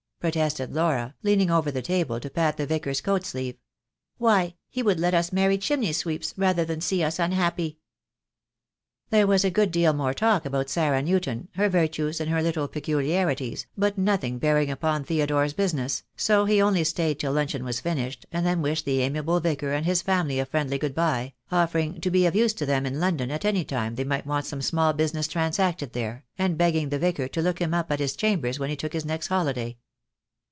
protested Laura, leaning over the table to pat the Vicar's coat sleeve. "Why, he would let us marry chimney sweeps rather than see us unhappy." There was a good deal more talk about Sarah Newton, her virtues and her little peculiarities, but nothing bearing upon Theodore's business, so he only stayed till luncheon was finished, and then wished the amiable Vicar and his family a friendly good bye, offering to be of use to them in London at any time they might want some small busi ness transacted there, and begging the Vicar to look him up at his chambers when he took his next holiday.